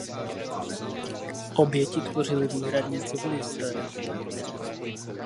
Oběti tvořili téměř výhradně civilisté.